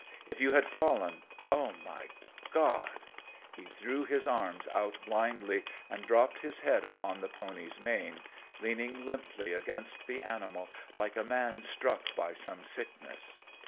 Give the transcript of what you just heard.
If you had fallen oh, my God!" he threw his arms out blindly and dropped his head upon the pony's mane, leaning limply against the animal like a man struck by some sickness.